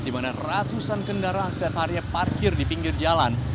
dimana ratusan kendaraan setahun parkir di pinggir jalan